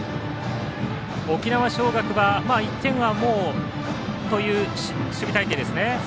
沖縄尚学は１点はもうという守備隊形ですね。